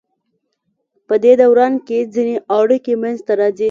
پدې دوران کې ځینې اړیکې منځ ته راځي.